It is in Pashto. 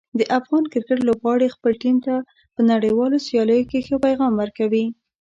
د افغان کرکټ لوبغاړي خپل ټیم ته په نړیوالو سیالیو کې ښه پیغام ورکوي.